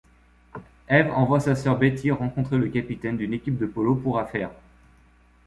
Eve envoie sa sœur Betty rencontrer le capitaine d'une équipe de polo pour affaire.